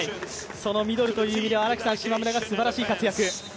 そのミドルという意味では、島村がすばらしい活躍。